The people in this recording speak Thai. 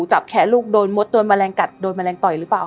จับแขนลูกโดนมดโดนแมลงกัดโดนแมลงต่อยหรือเปล่า